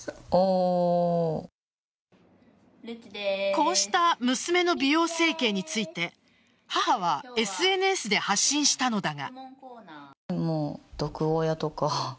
こうした娘の美容整形について母は、ＳＮＳで発信したのだが。